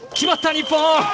日本！